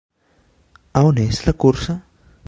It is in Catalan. A on és la cursa?